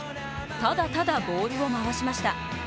ただただボールを回しました。